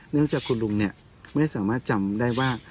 เนื่องจากคุณลุงไม่สามารถจำได้ว่า